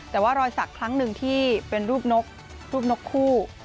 แต่ว่ารอยศักดิ์ครั้งหนึ่งที่เป็นรูปนกคู่